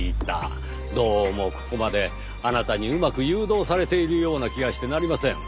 どうもここまであなたにうまく誘導されているような気がしてなりません。